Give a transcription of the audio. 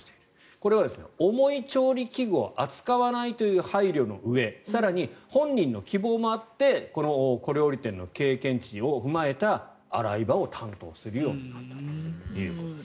これは重い調理器具を扱わないという配慮のうえ更に、本人の希望もあって小料理店の経験値を踏まえた洗い場を担当するようになったということです。